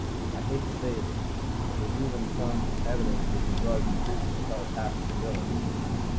I hate to say this. But there's even some evidence that the drug increases telepathic ability."